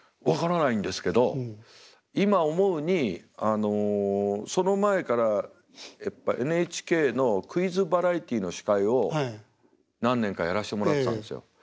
分からないんですけど今思うにあのその前からＮＨＫのクイズバラエティーの司会を何年かやらせてもらってたんですよ。